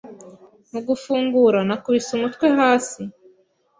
mu gufungura nakubise umutwe hasi